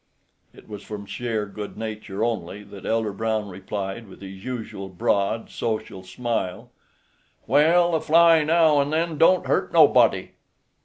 It was from sheer good nature only that Elder Brown replied, with his usual broad, social smile, "Well, a fly now an' then don't hurt nobody."